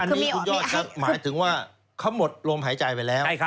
อันนี้คุณยอดครับหมายถึงว่าเขาหมดลมหายใจไปแล้ว